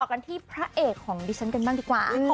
กันที่พระเอกของดิฉันกันบ้างดีกว่า